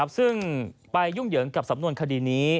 ซึ่งไปยุ่งเหยิงกับสำนวนคดีนี้